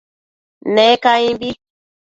Ne caimbi